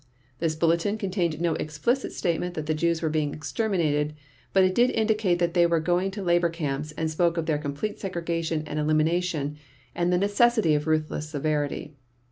This bulletin contained no explicit statement that the Jews were being exterminated, but it did indicate they were going to labor camps, and spoke of their complete segregation and elimination and the necessity of ruthless severity.